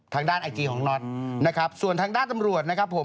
ทางด้านเอเกียร์ของนอทนะครับส่วนทางด้านตำรวจนะครับผม